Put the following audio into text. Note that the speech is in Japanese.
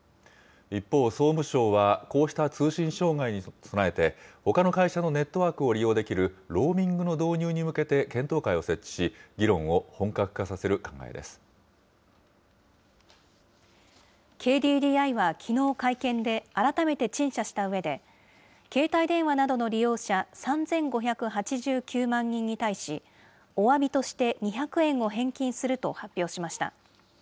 一方、総務省は、こうした通信障害に備えて、ほかの会社のネットワークを利用できる、ローミングの導入に向けて検討会を設置し、議論を本格化させＫＤＤＩはきのう会見で、改めて陳謝したうえで、携帯電話などの利用者３５８９万人に対し、おわびとして、２００円を返金すると発表しました。